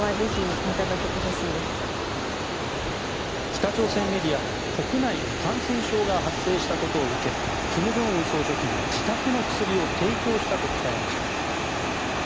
北朝鮮メディアは国内で感染症が発生したことを受け金正恩総書記が自宅の薬を提供したと伝えました。